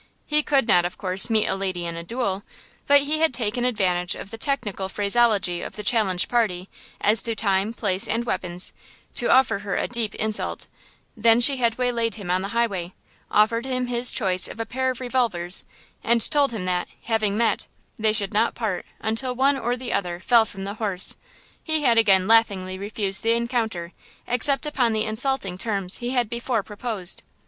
He could not, of course, meet a lady in a duel, but he had taken advantage of the technical phraseology of the challenged party, as to time, place and weapons, to offer her a deep insult; then she had waylaid him on the highway, offered him his choice of a pair of revolvers, and told him that, having met, they should not part until one or the other fell from the horse; he had again laughingly refused the encounter except upon the insulting terms he had before proposed.